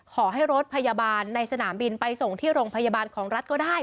ขอให้รถพยาบาลในสนามบินไปส่งที่โรงพยาบาลของรัฐก็ได้